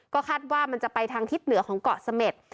ก็คาดว่ามันจะไปทางทิศเหนือของเกาะเสม็ด